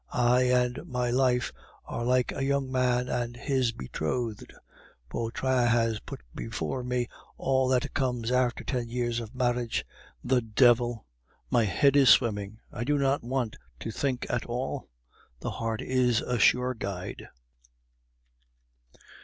I and my life are like a young man and his betrothed. Vautrin has put before me all that comes after ten years of marriage. The devil! my head is swimming. I do not want to think at all; the heart is a sure guide."